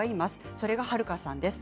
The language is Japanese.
それがはるかさんです。